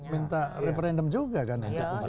minta referendum juga kan